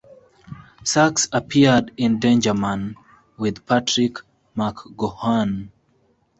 Sachs appeared in "Danger Man" with Patrick McGoohan.